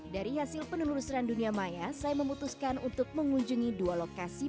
dari hasil penelusuran dunia maya saya memutuskan untuk mengunjungi dua lokasi